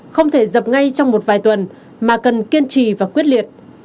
không thể dập ngay trong một vài tuần mà cần kiên trì và quyết liệt